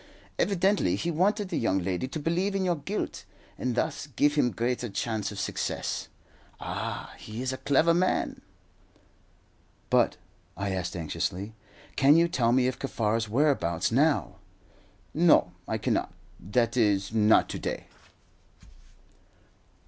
Evidently he wanted the young lady to believe in your guilt, and thus give him greater chance of success. Ah, he is a clever man." "But," I asked anxiously, "can you tell me Kaffar's whereabouts now?" "No, I cannot that is, not to day."